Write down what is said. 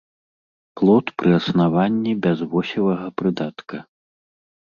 Плод пры аснаванні без восевага прыдатка.